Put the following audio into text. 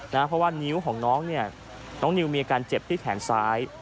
เพราะว่านิ้วของน้องเนี่ยน้องนิวมีอาการเจ็บที่แขนซ้าย